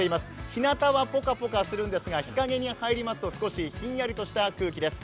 日向はぽかぽかするんですが、日陰に入りますと、少しひんやりとした空気です。